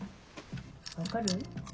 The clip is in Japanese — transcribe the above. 分かる？